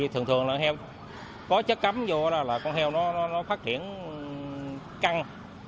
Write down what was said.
thường thường là heo có chất cấm vô là con heo nó phát triển căng